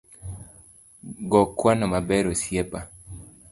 Go kwano maber osiepa